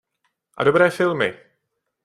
A dobré filmy!